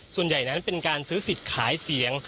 ส่วนใหญ่นั้นเป็นการซื้อสิทธิ์ขายเสียง